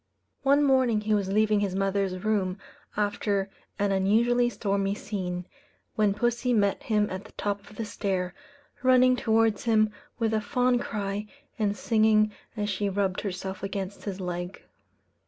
One morning he was leaving his mother's room after an unusually stormy scene, when pussy met him at the top of the stair, running towards him with a fond cry, and singing as she rubbed herself against his leg.